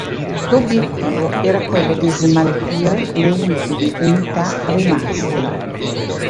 L'obiettivo era quello di smaltire le ultime unità rimaste.